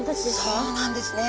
そうなんですね。